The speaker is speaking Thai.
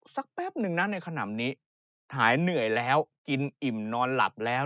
แป๊บนึงนะในขนำนี้หายเหนื่อยแล้วกินอิ่มนอนหลับแล้ว